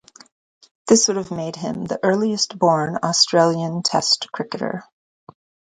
This would have made him the earliest-born Australian Test cricketer.